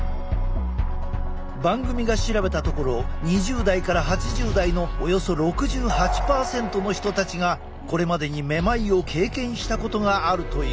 番組が調べたところ２０代から８０代のおよそ６８％の人たちがこれまでにめまいを経験したことがあるという。